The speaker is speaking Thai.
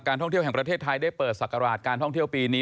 ท่องเที่ยวแห่งประเทศไทยได้เปิดศักราชการท่องเที่ยวปีนี้